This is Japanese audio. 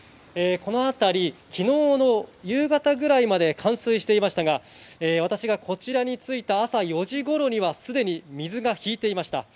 このあたり昨日の夕方ぐらいまで冠水していましたが、私がこちらに着いた朝４時頃には、すでに水が引いていました。